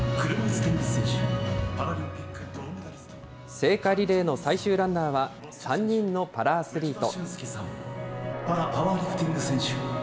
聖火リレーの最終ランナーは、３人のパラアスリート。